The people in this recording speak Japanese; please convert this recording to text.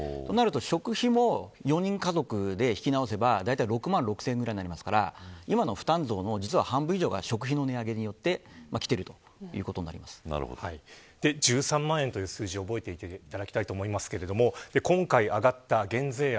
食費も４人家族で引き直せばだいたい６万６０００円ぐらいになりますから今の負担増の半分以上が食費の値上げによってきている１３万円という数字を覚えておいていただきたいですが今回上がった減税案